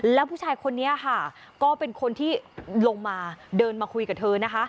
แล้วผู้ชายคนนี้ค่ะก็เป็นคนที่ลงมาเดินมาคุยกับเธอนะคะ